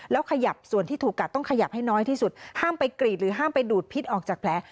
แล้วขยับส่วนที่ถูกกัดต้องขยับให้น้อยที่สุดห้ามไปกรีดหรือห้ามไปดูดพิษออกจากแผล